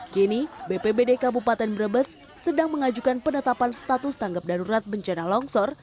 kini bpbd kabupaten brebes sedang mengajukan penetapan status tanggap darurat bencana longsor